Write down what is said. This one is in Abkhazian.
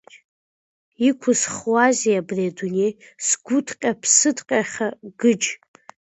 Иқәсхуазеи абри адунеи, сгәыҭҟьа-ԥсыҭҟьаха, Гыџь.